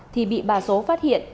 thì bị bà số phát hiện